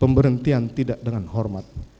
pemberhentian tidak dengan hormat